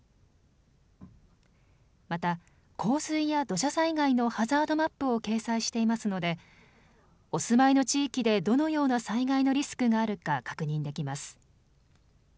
また、洪水や土砂災害のハザードマップを掲載していますのでお住まいの地域でどのような災害のリスクがあるか確認できます。